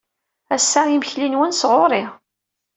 Ass-a, imekli-nwen sɣur-i.